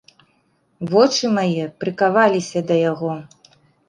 Вочы мае прыкаваліся да яго.